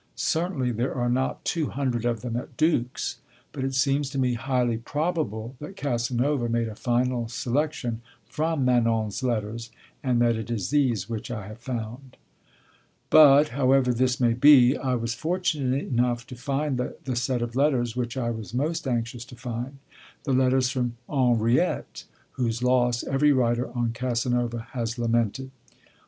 Certainly there are not two hundred of them at Dux, but it seems to me highly probable that Casanova made a final selection from Manon's letters, and that it is these which I have found. But, however this may be, I was fortunate enough to find the set of letters which I was most anxious to find: the letters from Henriette, whose loss every writer on Casanova has lamented.